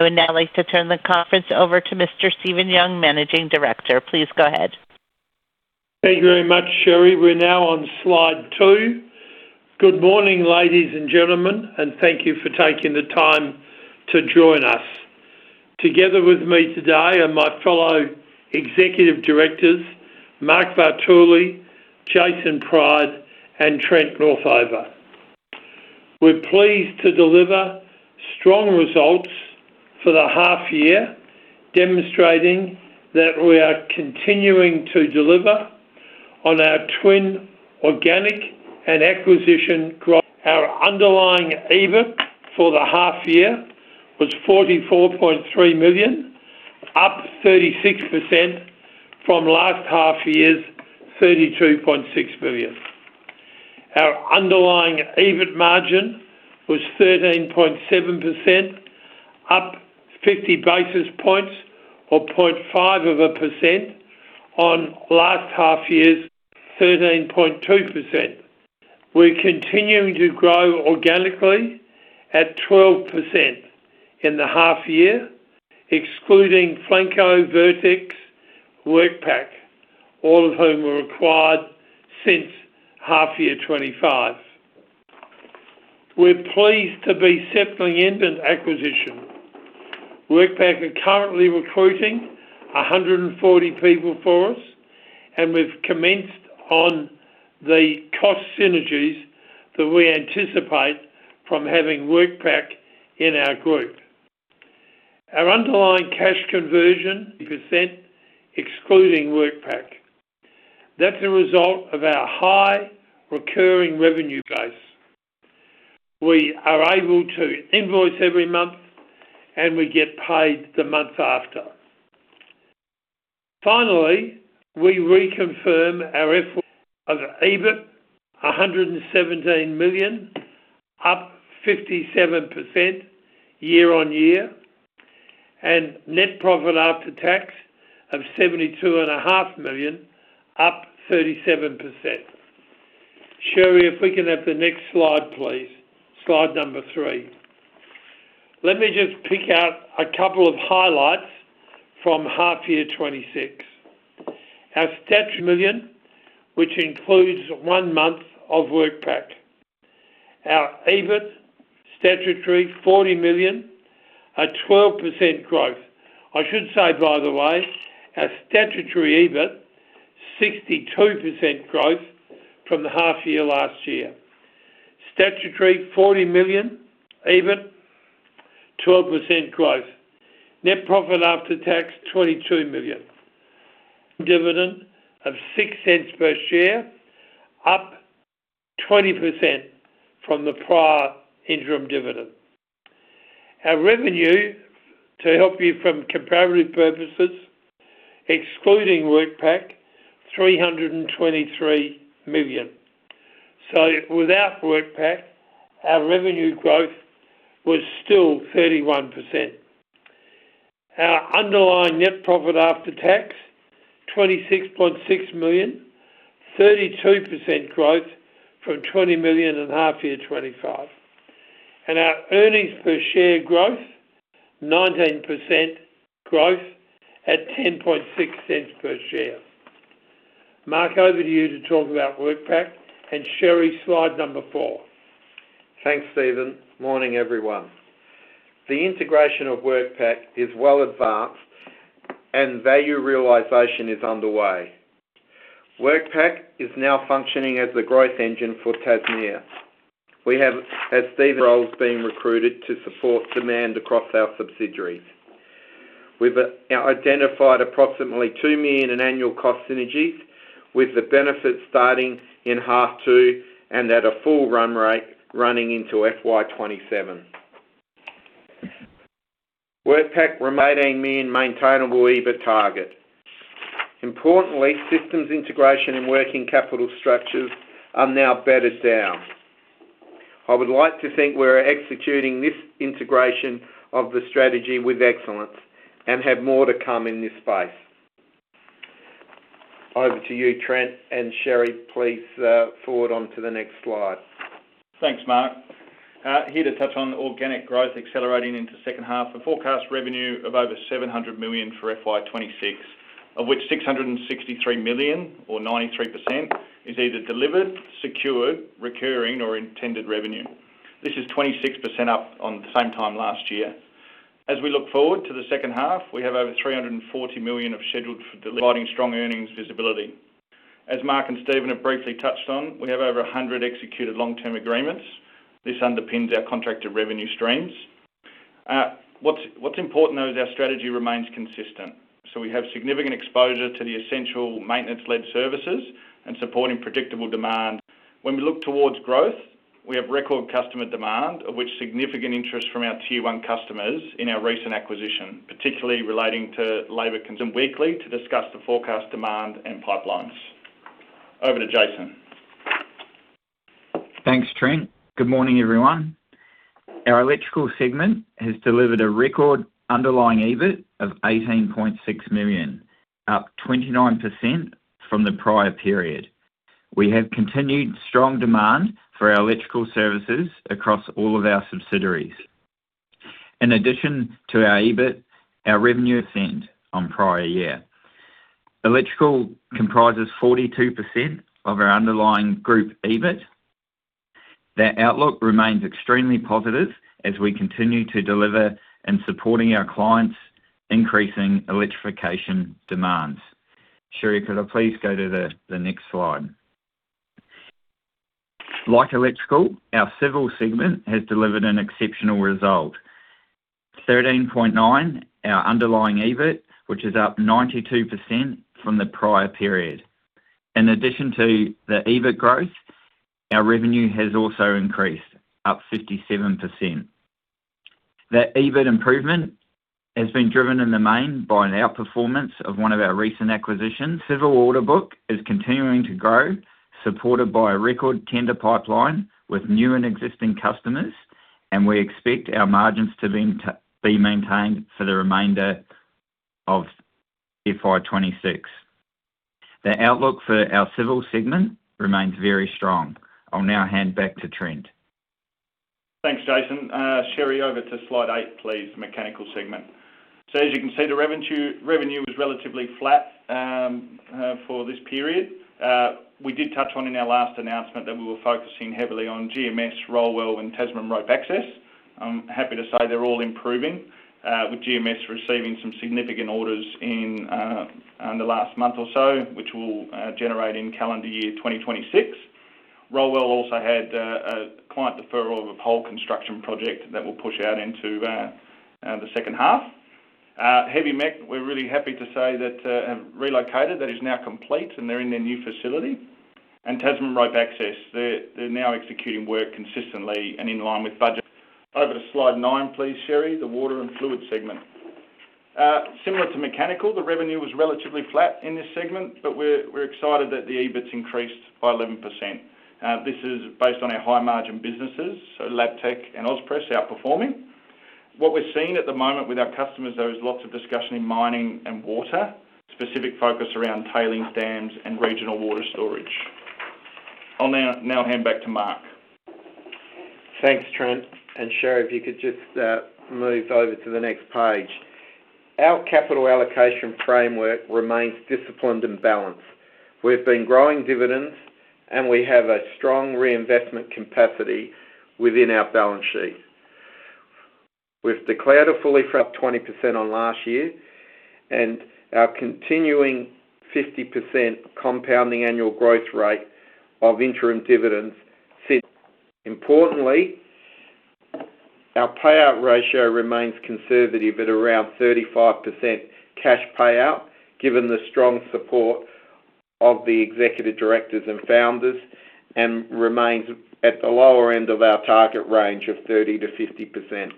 I would now like to turn the conference over to Mr. Stephen Young, Managing Director. Please go ahead. Thank you very much, Sherry. We're now on slide 2. Good morning, ladies and gentlemen, thank you for taking the time to join us. Together with me today are my fellow executive directors, Mark Vartuli, Jason Pryde, and Trent Northover. We're pleased to deliver strong results for the half year, demonstrating that we are continuing to deliver on our twin organic and acquisition growth. Our underlying EBIT for the half year was 44.3 million, up 36% from last half year's 32.6 million. Our underlying EBIT margin was 13.7%, up 50 basis points or 0.5% on last half year's 13.2%. We're continuing to grow organically at 12% in the half year, excluding Flanco, Vertex, WorkPac, all of whom were acquired since half year 25. We're pleased to be settling into acquisition. WorkPac are currently recruiting 140 people for us. We've commenced on the cost synergies that we anticipate from having WorkPac in our group. Our underlying cash conversion %, excluding WorkPac. That's a result of our high recurring revenue base. We are able to invoice every month. We get paid the month after. Finally, we reconfirm our effort of EBIT, 117 million, up 57% year-on-year. Net profit after tax of 72.5 million, up 37%. Sherry, if we can have the next slide, please. Slide 3. Let me just pick out a couple of highlights from half year 2026. Our stats million, which includes one month of WorkPac. Our EBIT statutory 40 million, a 12% growth. I should say, by the way, our statutory EBIT, 62% growth from the half year last year. Statutory 40 million EBIT, 12% growth. Net profit after tax, 22 million. Dividend of 0.06 per share, up 20% from the prior interim dividend. Our revenue to help you from comparative purposes, excluding WorkPac, 323 million. Without WorkPac, our revenue growth was still 31%. Our underlying net profit after tax, 26.6 million, 32% growth from 20 million in half year 2025. Our earnings per share growth, 19% growth at 0.106 per share. Mark, over to you to talk about WorkPac. Sherry, slide 4. Thanks, Steven. Morning, everyone. The integration of WorkPac is well advanced and value realization is underway. WorkPac is now functioning as the growth engine for Tasmea. We have roles being recruited to support demand across our subsidiaries. We've identified approximately 2 million in annual cost synergies, with the benefits starting in H2 and at a full run rate running into FY 2027. WorkPac remaining me in maintainable EBIT target. Importantly, systems integration and working capital structures are now bedded down. I would like to think we're executing this integration of the strategy with excellence and have more to come in this space. Over to you, Trent, and Sherry, please, forward on to the next slide. Thanks, Mark. Here to touch on organic growth accelerating into second half. The forecast revenue of over 700 million for FY 2026, of which 663 million or 93% is either delivered, secured, recurring, or intended revenue. This is 26% up on the same time last year. As we look forward to the second half, we have over 340 million of scheduled for delivery, providing strong earnings visibility. As Mark and Steven have briefly touched on, we have over 100 executed long-term agreements. This underpins our contracted revenue streams. What's, what's important, though, is our strategy remains consistent. We have significant exposure to the essential maintenance-led services and supporting predictable demand. When we look towards growth, we have record customer demand, of which significant interest from our tier one customers in our recent acquisition, particularly relating to labor consumed weekly to discuss the forecast, demand, and pipelines. Over to Jason. Thanks, Trent. Good morning, everyone. Our electrical segment has delivered a record underlying EBIT of 18.6 million, up 29% from the prior period. We have continued strong demand for our electrical services across all of our subsidiaries. In addition to our EBIT, our revenue ascend on prior year. Electrical comprises 42% of our underlying group EBIT. That outlook remains extremely positive as we continue to deliver and supporting our clients' increasing electrification demands. Sherry, could I please go to the next slide? Like Electrical, our Civil segment has delivered an exceptional result. 13.9, our underlying EBIT, which is up 92% from the prior period. In addition to the EBIT growth, our revenue has also increased, up 57%. That EBIT improvement has been driven in the main by an outperformance of one of our recent acquisitions. Civil order book is continuing to grow, supported by a record tender pipeline with new and existing customers. We expect our margins to then to be maintained for the remainder of FY 2026. The outlook for our Civil segment remains very strong. I'll now hand back to Trent. Thanks, Jason. Sherry, over to slide 8, please, Mechanical segment. As you can see, the revenue was relatively flat for this period. We did touch on in our last announcement that we were focusing heavily on GMS, Rollwell, and Tasman Rope Access. I'm happy to say they're all improving, with GMS receiving some significant orders in the last month or so, which will generate in calendar year 2026. Rollwell also had a client deferral of a whole construction project that will push out into the second half. Heavymech, we're really happy to say that have relocated. That is now complete, and they're in their new facility. Tasman Rope Access, they're, they're now executing work consistently and in line with budget. Over to slide 9, please, Sherry, the water and fluid segment. Similar to Mechanical, the revenue was relatively flat in this segment, but we're, we're excited that the EBIT increased by 11%. This is based on our high-margin businesses, so Labtech and AusPress outperforming. What we're seeing at the moment with our customers, there is lots of discussion in mining and water, specific focus around tailings dams and regional water storage. I'll now, now hand back to Mark. Thanks, Trent. Sherry, if you could just move over to the next page. Our capital allocation framework remains disciplined and balanced. We've been growing dividends. We have a strong reinvestment capacity within our balance sheet. We've declared a fully flat 20% on last year. Our continuing 50% compounding annual growth rate of interim dividends since... Importantly, our payout ratio remains conservative at around 35% cash payout, given the strong support of the executive directors and founders, and remains at the lower end of our target range of 30%-50%.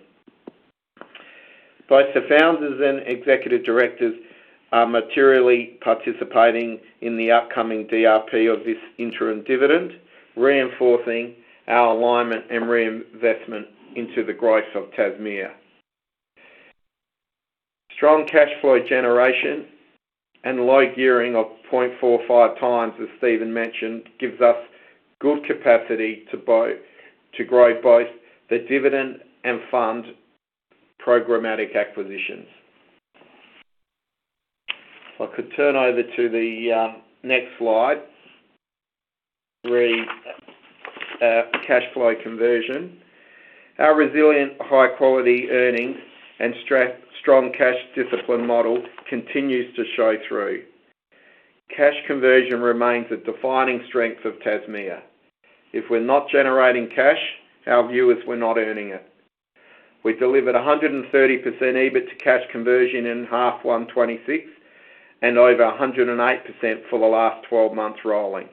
Both the founders and executive directors are materially participating in the upcoming DRP of this interim dividend, reinforcing our alignment and reinvestment into the growth of Tasmea. Strong cash flow generation and low gearing of 0.45 times, as Stephen mentioned, gives us good capacity to grow both the dividend and fund programmatic acquisitions. If I could turn over to the next slide, cash flow conversion. Our resilient, high-quality earnings and strong cash discipline model continues to show through. Cash conversion remains a defining strength of Tasmea. If we're not generating cash, our viewers, we're not earning it. We delivered 130% EBIT to cash conversion in H1 2026, and over 108% for the last 12 months rolling.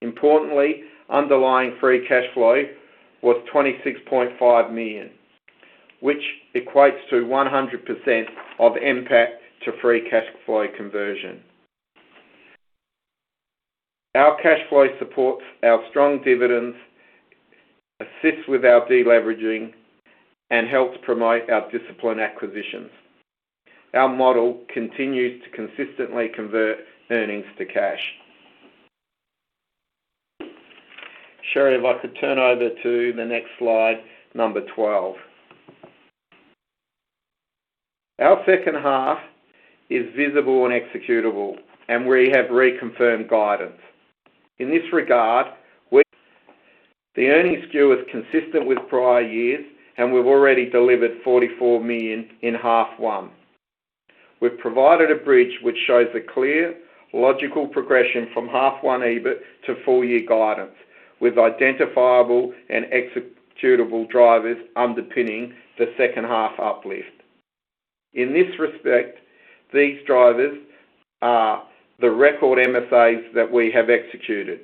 Importantly, underlying free cash flow was 26.5 million, which equates to 100% of NPAT to free cash flow conversion. Our cash flow supports our strong dividends, assists with our deleveraging, and helps promote our discipline acquisitions. Our model continues to consistently convert earnings to cash. Sherry, if I could turn over to the next slide 12. Our second half is visible and executable, and we have reconfirmed guidance. In this regard, the earnings skew is consistent with prior years, and we've already delivered 44 million in H1. We've provided a bridge which shows a clear, logical progression from H1 EBIT to full year guidance, with identifiable and executable drivers underpinning the second half uplift. In this respect, these drivers are the record MSAs that we have executed,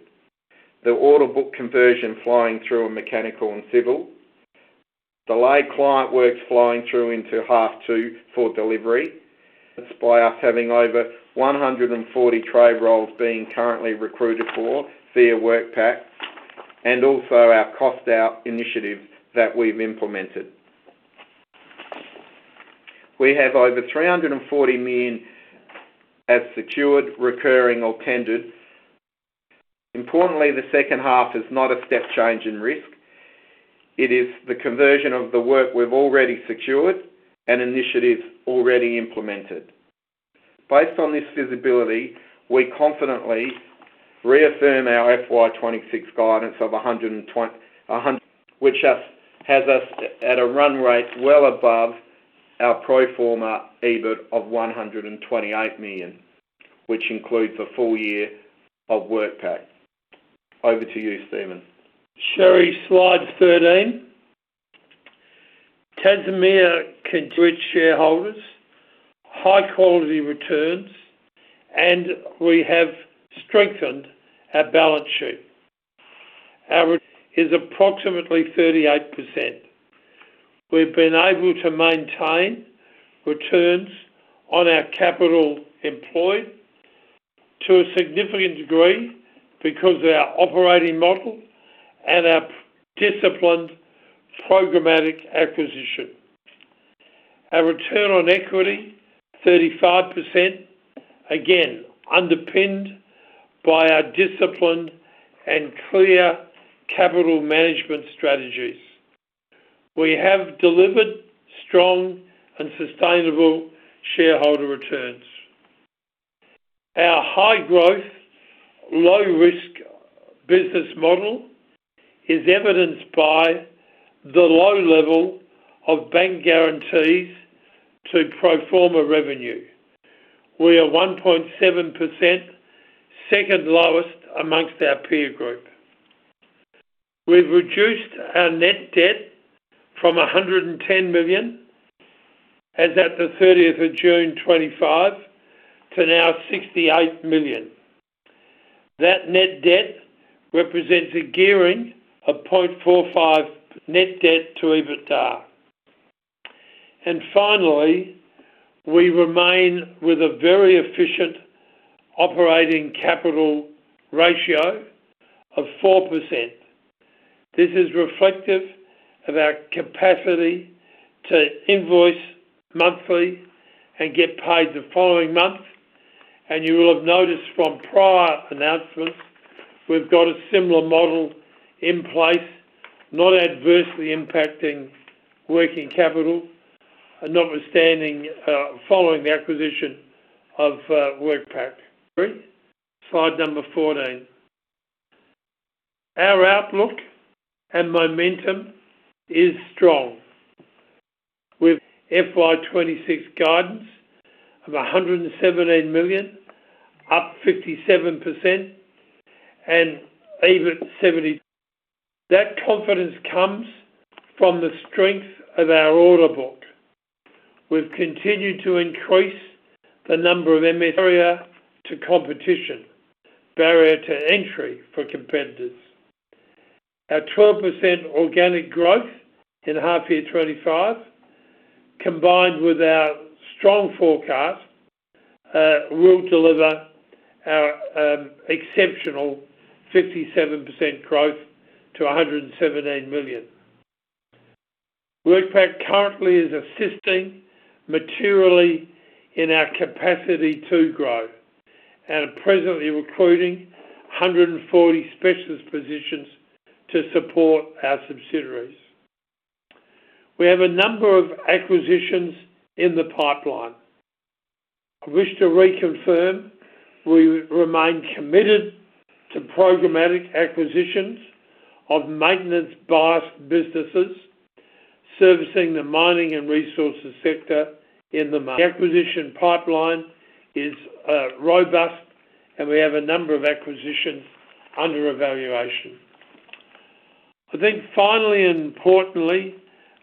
the order book conversion flowing through on Mechanical and Civil, delayed client works flowing through into H2 for delivery. That's by us having over 140 trade roles being currently recruited for via WorkPac, and also our cost out initiative that we've implemented. We have over 340 million as secured, recurring, or tendered. Importantly, the second half is not a step change in risk. It is the conversion of the work we've already secured and initiatives already implemented. Based on this visibility, we confidently reaffirm our FY 2026 guidance of 100 million, which has us at a run rate well above our pro forma EBIT of 128 million, which includes a full year of WorkPac. Over to you, Stephen. Sherry, slide 13. Tasmea can reach shareholders high quality returns, and we have strengthened our balance sheet. Our is approximately 38%. We've been able to maintain returns on our capital employed to a significant degree because of our operating model and our disciplined programmatic acquisition. Our return on equity, 35%, again, underpinned by our disciplined and clear capital management strategies. We have delivered strong and sustainable shareholder returns. Our high growth, low risk business model is evidenced by the low level of bank guarantees to pro forma revenue. We are 1.7%, second lowest amongst our peer group. We've reduced our net debt from 110 million, as at the 30th of June 2025, to now 68 million. That net debt represents a gearing of 0.45 net debt to EBITDA. Finally, we remain with a very efficient operating capital ratio of 4%. This is reflective of our capacity to invoice monthly and get paid the following month. You will have noticed from prior announcements, we've got a similar model in place, not adversely impacting working capital and notwithstanding, following the acquisition of WorkPac. Slide 14. Our outlook and momentum is strong, with FY 2026 guidance of 117 million, up 57% and EBIT 70. That confidence comes from the strength of our order book. We've continued to increase the number of MSA to competition, barrier to entry for competitors. Our 12% organic growth in half year 2025, combined with our strong forecast, will deliver our exceptional 57% growth to 117 million. WorkPac currently is assisting materially in our capacity to grow and are presently recruiting 140 specialist positions to support our subsidiaries. We have a number of acquisitions in the pipeline. I wish to reconfirm, we remain committed to programmatic acquisitions of maintenance-biased businesses servicing the mining and resources sector. The acquisition pipeline is robust, and we have a number of acquisitions under evaluation. I think finally and importantly,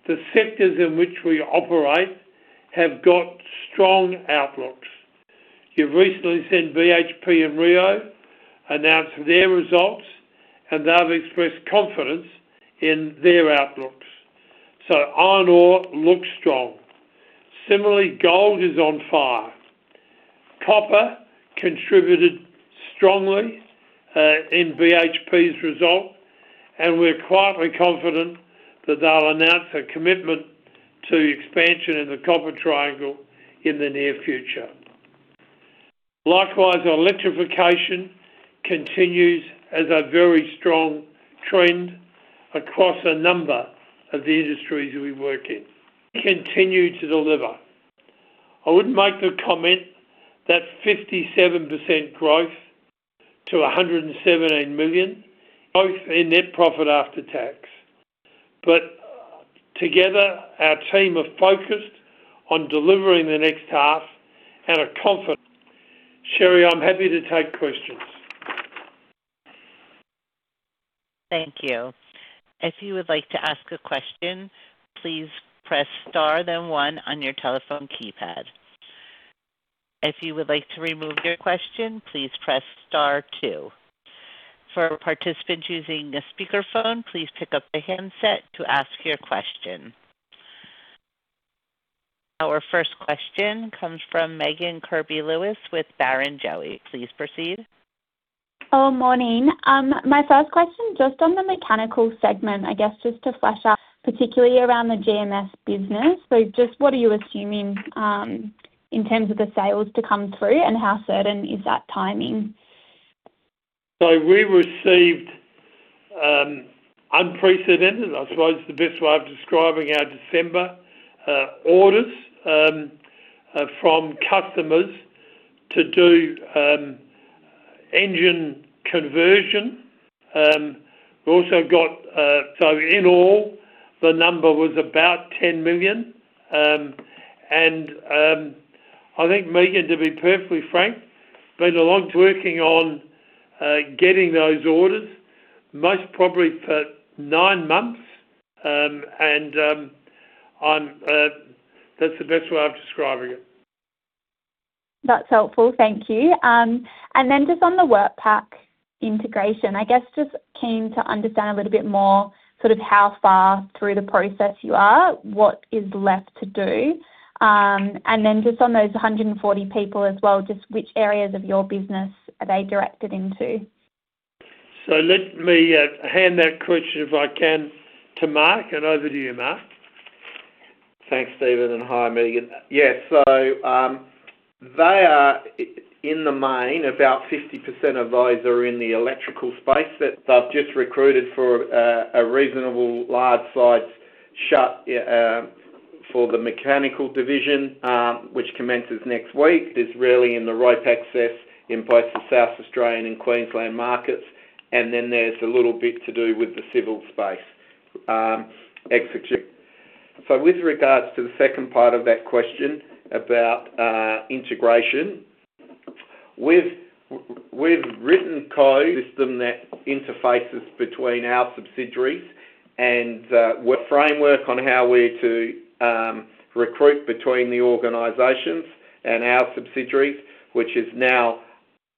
the sectors in which we operate have got strong outlooks. You've recently seen BHP and Rio announce their results. They've expressed confidence in their outlooks. Iron ore looks strong. Similarly, gold is on fire. Copper contributed strongly in BHP's result, and we're quietly confident that they'll announce a commitment to expansion in the copper triangle in the near future. Likewise, electrification continues as a very strong trend across a number of the industries we work in. Continue to deliver. I would make the comment that 57% growth to $117 million, both in net profit after tax. Together, our team are focused on delivering the next half and are confident. Sherry, I'm happy to take questions. Thank you. If you would like to ask a question, please press star, then one on your telephone keypad. If you would like to remove your question, please press star two. For participants using a speakerphone, please pick up the handset to ask your question. Our first question comes from Megan Kirby-Lewis with Barrenjoey. Please proceed. Oh, morning. My first question, just on the mechanical segment, I guess just to fresh up, particularly around the GMS business. Just what are you assuming, in terms of the sales to come through, and how certain is that timing? We received unprecedented, I suppose, the best way of describing our December orders from customers to do engine conversion. We also got, in all, the number was about 10 million. And I think, Megan, to be perfectly frank, been a long working on getting those orders, most probably for nine months, and I'm, that's the best way of describing it. That's helpful. Thank you. Then just on the WorkPac integration, I guess just keen to understand a little bit more, sort of how far through the process you are, what is left to do? Then just on those 140 people as well, just which areas of your business are they directed into? Let me hand that question, if I can, to Mark. Over to you, Mark. Thanks, Stephen, and hi, Megan. Yes, so, they are in the main, about 50% of those are in the electrical space, that they've just recruited for, a reasonable large size shut, for the mechanical division, which commences next week. It's really in the rope access in both the South Australian and Queensland markets. There's a little bit to do with the civil space, execute. With regards to the second part of that question about integration, we've, we've written code system that interfaces between our subsidiaries and, what framework on how we're to recruit between the organizations and our subsidiaries, which is now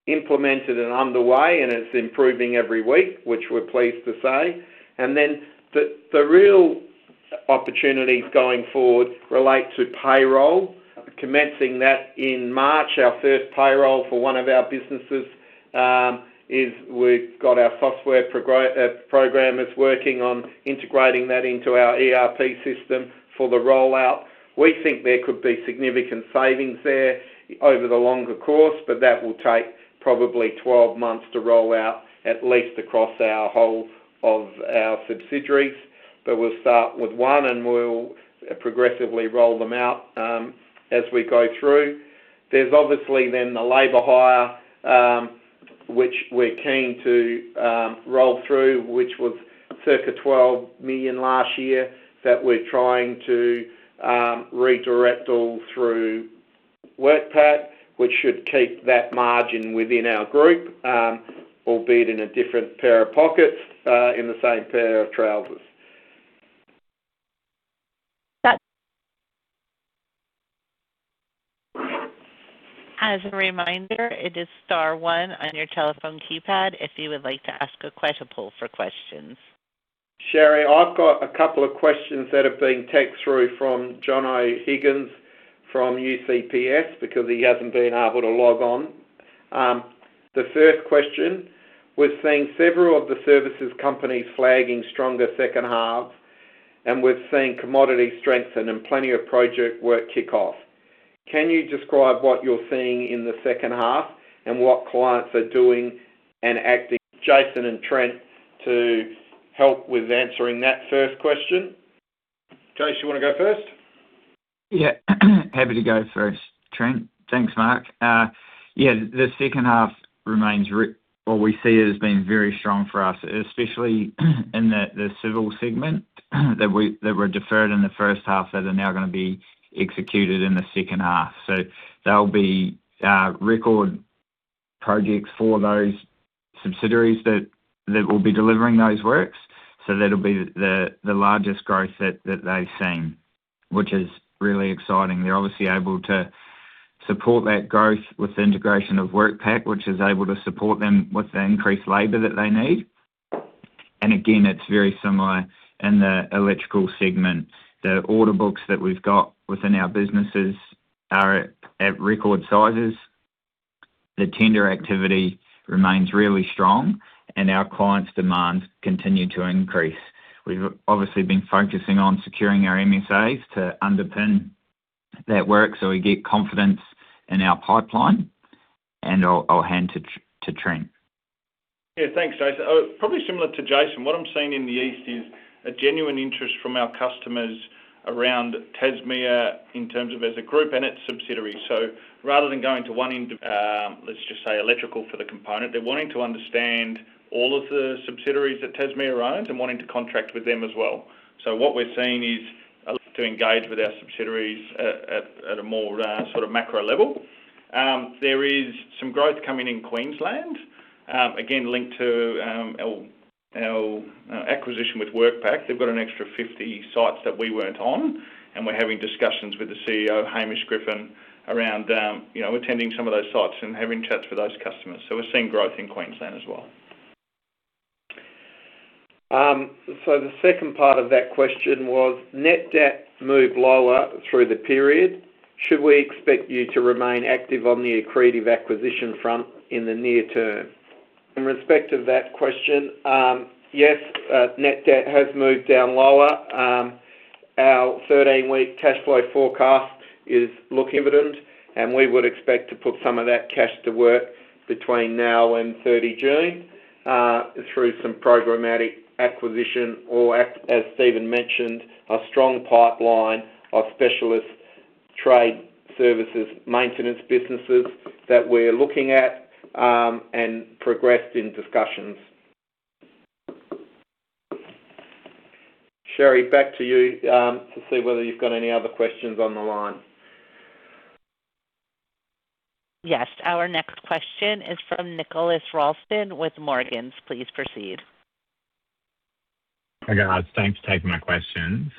implemented and underway, and it's improving every week, which we're pleased to say. The real opportunities going forward relate to payroll, commencing that in March. Our first payroll for 1 of our businesses, is we've got our software programmers working on integrating that into our ERP system for the rollout. We think there could be significant savings there over the longer course, but that will take probably 12 months to roll out, at least across our whole of our subsidiaries. But we'll start with one, and we'll progressively roll them out as we go through. There's obviously then the labor hire, which we're keen to roll through, which was circa 12 million last year, that we're trying to redirect all through WorkPac, which should keep that margin within our group, albeit in a different pair of pockets in the same pair of trousers. That- As a reminder, it is star one on your telephone keypad if you would like to ask a question for questions. Sherry, I've got 2 questions that have been text through from John O. Higgins, from UCPS, because he hasn't been able to log on. The first question, we're seeing several of the services companies flagging stronger second halves, we're seeing commodity strengthen and plenty of project work kick off. Can you describe what you're seeing in the second half and what clients are doing and acting? Jason and Trent to help with answering that first question. Jason, you want to go first? Yeah, happy to go first, Trent. Thanks, Mark. Yeah, the second half remains what we see as being very strong for us, especially in the, the civil segment, that we, that were deferred in the first half, that are now gonna be executed in the second half. So there'll be record projects for those subsidiaries that, that will be delivering those works. So that'll be the, the largest growth that, that they've seen, which is really exciting. They're obviously able to support that growth with the integration of WorkPac, which is able to support them with the increased labor that they need. Again, it's very similar in the electrical segment. The order books that we've got within our businesses are at, at record sizes. The tender activity remains really strong, and our clients' demands continue to increase. We've obviously been focusing on securing our MSAs to underpin that work, so we get confidence in our pipeline, and I'll, I'll hand to Trent. Yeah, thanks, Jason. probably similar to Jason. What I'm seeing in the east is a genuine interest from our customers around Tasmea in terms of as a group and its subsidiaries. Rather than going to one indi, let's just say, electrical for the component, they're wanting to understand all of the subsidiaries that Tasmea owns and wanting to contract with them as well. What we're seeing is to engage with our subsidiaries at, at, at a more, sort of macro level. There is some growth coming in Queensland, again, linked to, our, our acquisition with WorkPac. They've got an extra 50 sites that we weren't on, and we're having discussions with the CEO, Hamish Griffin, around, you know, attending some of those sites and having chats with those customers. We're seeing growth in Queensland as well. The second part of that question was, net debt moved lower through the period. Should we expect you to remain active on the accretive acquisition front in the near term? In respect to that question, yes, net debt has moved down lower. Our 13-week cash flow forecast is look evident, and we would expect to put some of that cash to work between now and 30 June, through some programmatic acquisition or ac- as Stephen mentioned, a strong pipeline of specialist trade services, maintenance businesses that we're looking at, and progressed in discussions. Sherry, back to you, to see whether you've got any other questions on the line. Yes. Our next question is from Nicholas Ralston with Morgans. Please proceed. Hi, guys. Thanks for taking my questions.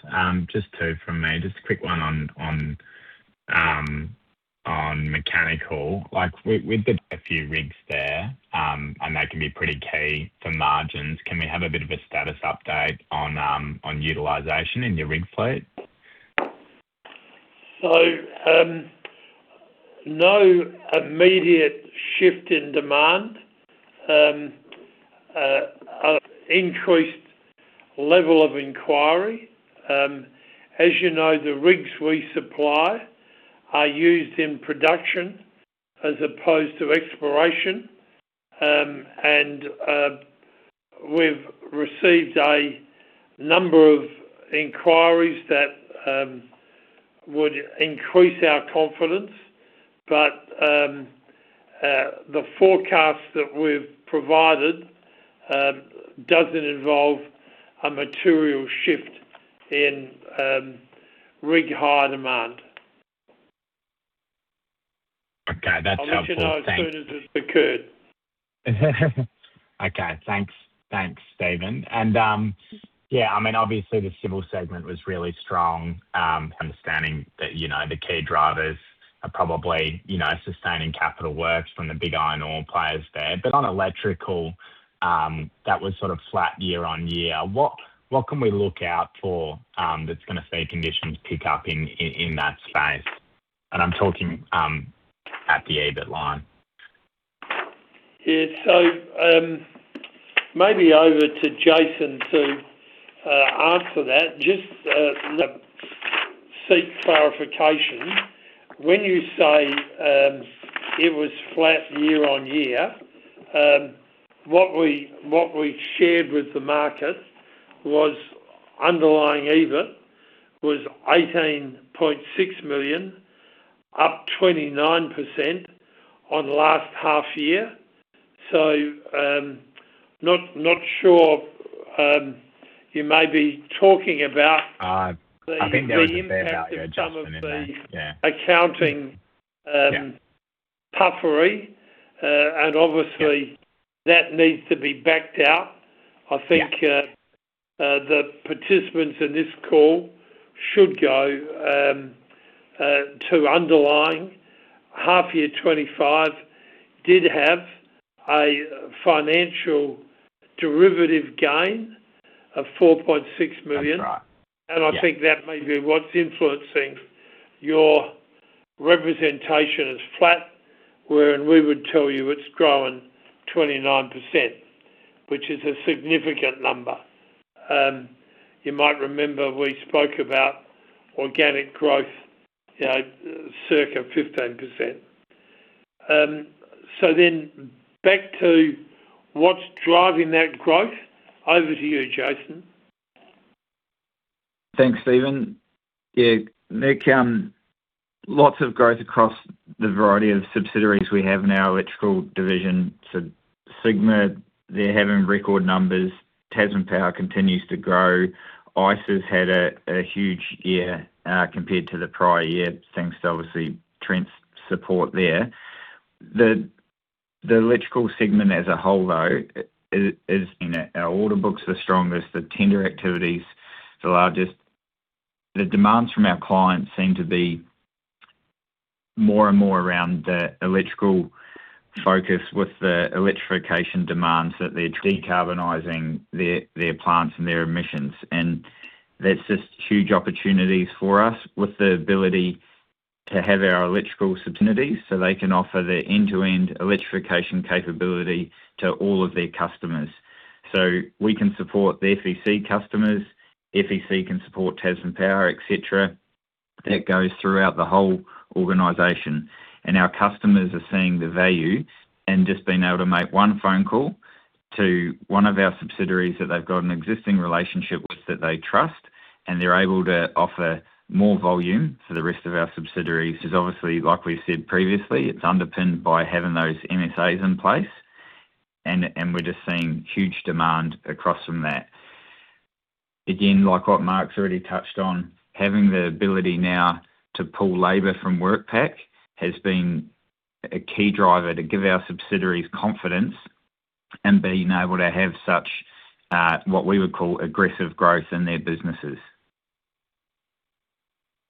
Just two from me. Just a quick one on, on, on mechanical. Like, with, with a few rigs there, and they can be pretty key to margins, can we have a bit of a status update on, on utilization in your rig fleet? No immediate shift in demand, increased level of inquiry. As you know, the rigs we supply are used in production as opposed to exploration. We've received a number of inquiries that would increase our confidence, but the forecast that we've provided, doesn't involve a material shift in rig higher demand. Okay, that's helpful. I'll let you know as soon as it's occurred. Okay, thanks. Thanks, Stephen. Yeah, I mean, obviously the civil segment was really strong, understanding that, you know, the key drivers are probably, you know, sustaining capital works from the big iron ore players there. On electrical, that was sort of flat year-on-year. What, what can we look out for, that's gonna see conditions pick up in, in, in that space? I'm talking at the EBIT line. Yeah. Maybe over to Jason to answer that. Just seek clarification. When you say it was flat year-on-year, what we, what we shared with the market was underlying EBIT was 18.6 million, up 29% on last half year. Not, not sure, you may be talking about... I think that was fair value, Jason. Some of the accounting puffery, and obviously that needs to be backed out. Yeah. I think, the participants in this call should go, to underlying half year 25 did have a financial derivative gain of 4.6 million. That's right. I think that may be what's influencing your representation as flat, wherein we would tell you it's growing 29%, which is a significant number. You might remember we spoke about organic growth, you know, circa 15%. Back to what's driving that growth, over to you, Jason. Thanks, Stephen. Yeah, look, lots of growth across the variety of subsidiaries we have in our electrical division. Sigma, they're having record numbers. Tasman Power continues to grow. ICE has had a huge year compared to the prior year, thanks to obviously Trent's support there. The electrical segment as a whole, though, is in our order books, the strongest, the tender activities, the largest. The demands from our clients seem to be more and more around the electrical focus with the electrification demands that they're decarbonizing their plants and their emissions. That's just huge opportunities for us with the ability to have our electrical subsidies, so they can offer their end-to-end electrification capability to all of their customers. We can support the FEC customers, FEC can support Tasman Power, et cetera. That goes throughout the whole organization. Our customers are seeing the value and just being able to make one phone call to one of our subsidiaries that they've got an existing relationship with that they trust, and they're able to offer more volume to the rest of our subsidiaries. Obviously, like we've said previously, it's underpinned by having those MSAs in place, and we're just seeing huge demand across from that. Again, like what Mark's already touched on, having the ability now to pull labor from WorkPac has been a key driver to give our subsidiaries confidence and being able to have such, what we would call aggressive growth in their businesses.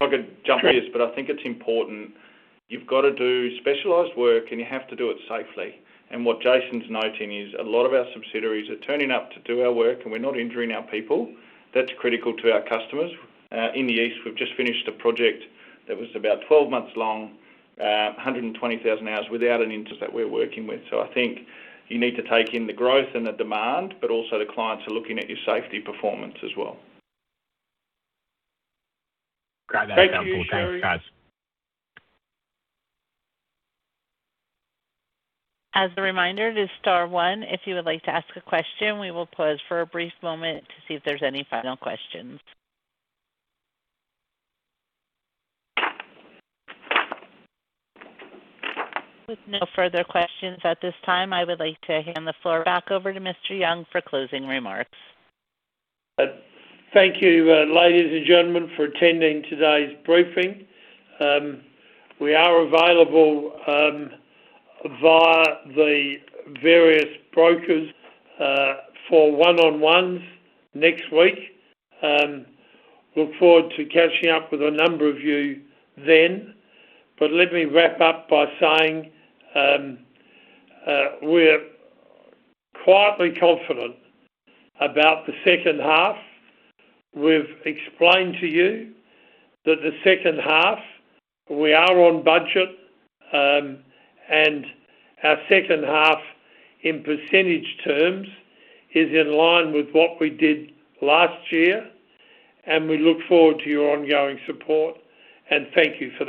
I could jump this, but I think it's important. You've got to do specialized work, and you have to do it safely. What Jason's noting is a lot of our subsidiaries are turning up to do our work, and we're not injuring our people. That's critical to our customers. In the east, we've just finished a project that was about 12 months long, 120,000 hours without an interest that we're working with. I think you need to take in the growth and the demand, but also the clients are looking at your safety performance as well. Got that down, guys. Thank you, Sherry. As a reminder, it is star one. If you would like to ask a question, we will pause for a brief moment to see if there's any final questions. With no further questions at this time, I would like to hand the floor back over to Mr. Young for closing remarks. Thank you, ladies and gentlemen, for attending today's briefing. We are available via the various brokers for one-on-ones next week. Look forward to catching up with a number of you then. Let me wrap up by saying, we're quietly confident about the second half. We've explained to you that the second half, we are on budget, our second half, in percentage terms, is in line with what we did last year, we look forward to your ongoing support, and thank you for that.